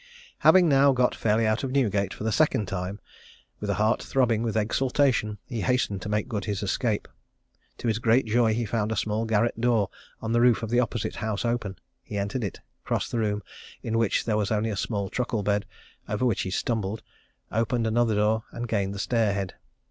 "Having now got fairly out of Newgate, for the second time, with a heart throbbing with exultation, he hastened to make good his escape. To his great joy he found a small garret door in the roof of the opposite house open; he entered it, crossed the room, in which there was only a small truckle bed, over which he stumbled, opened another door and gained the stair head.